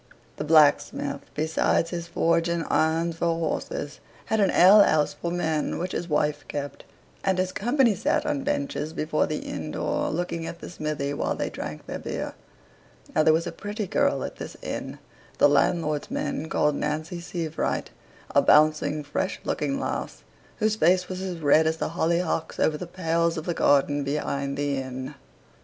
The blacksmith, besides his forge and irons for horses, had an ale house for men, which his wife kept, and his company sat on benches before the inn door, looking at the smithy while they drank their beer. Now, there was a pretty girl at this inn, the landlord's men called Nancy Sievewright, a bouncing, fresh looking lass, whose face was as red as the hollyhocks over the pales of the garden behind the inn.